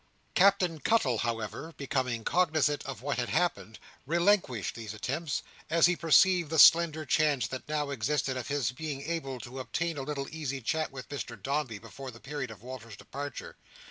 Captain Cuttle, however, becoming cognisant of what had happened, relinquished these attempts, as he perceived the slender chance that now existed of his being able to obtain a little easy chat with Mr Dombey before the period of Walter's departure.